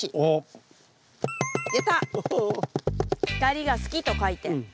「光が好き」と書いて。